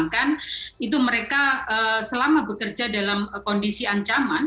yang belum dipulangkan itu mereka selama bekerja dalam kondisi ancaman